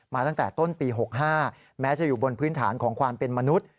ตั้งแต่ต้นปี๖๕แม้จะอยู่บนพื้นฐานของความเป็นมนุษย์